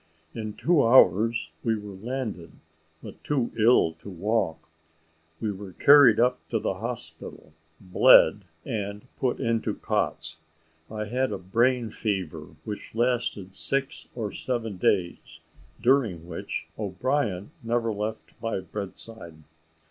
In two hours we were landed, but were too ill to walk. We were carried up to the hospital, bled, and put into cots. I had a brain fever which lasted six or seven days, during which O'Brien never left my bedside.